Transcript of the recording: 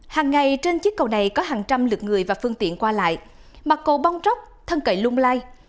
hằng ngày trên chiếc cầu này có hàng trăm lượt người và phương tiện qua lại mặt cầu bong tróc thân cậy lung lai